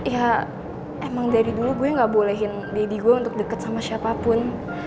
ya emang dari dulu gue gak bolehin baby gue untuk deket sama siapapun